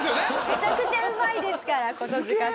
めちゃくちゃうまいですからコトヅカさん。